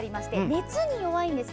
熱に弱いんです。